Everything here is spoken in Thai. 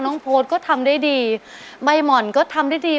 โพสต์ก็ทำได้ดีใบหม่อนก็ทำได้ดี